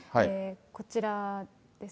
こちらです。